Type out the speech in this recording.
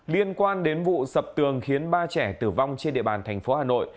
liên quan đến vụ sập tường khiến ba trẻ tử vong trên địa bàn thành phố hà nội